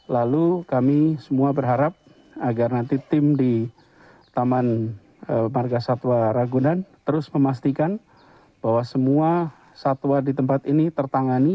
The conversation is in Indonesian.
lalu kami semua berharap agar nanti tim di taman marga satwa ragunan terus memastikan bahwa semua satwa di tempat ini tertangani